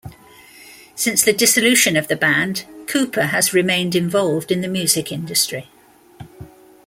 Since the dissolution of the band, Cooper has remained involved in the music industry.